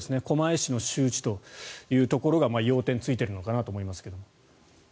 狛江市の周知というところが要点を突いているのかなと思いますけど。